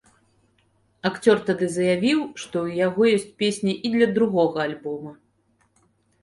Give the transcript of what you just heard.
Акцёр тады заявіў, што ў яго ёсць песні і для другога альбома.